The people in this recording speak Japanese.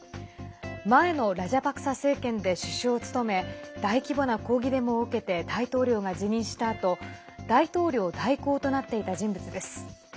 前のラジャパクサ政権で首相を務め大規模な抗議デモを受けて大統領が辞任したあと大統領代行となっていた人物です。